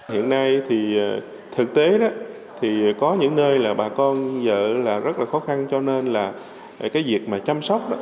hiện nay thì thực tế có những nơi là bà con vợ rất là khó khăn cho nên là cái việc mà chăm sóc